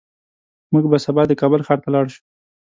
موږ به سبا د کابل ښار ته لاړ شو